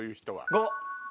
５。